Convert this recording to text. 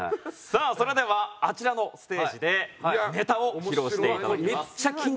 さあそれではあちらのステージでネタを披露していただきます。